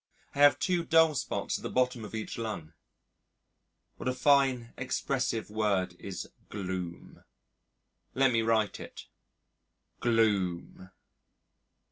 I have two dull spots at the bottom of each lung. What a fine expressive word is gloom. Let me write it: GLOOM....